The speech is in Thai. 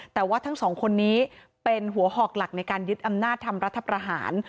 แต่ว่าทั้งสองคนนี้เป็นหัวหอกหลักในการยึดอำนาจทำรัฐประหาร